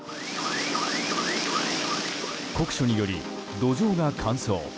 酷暑により、土壌が乾燥。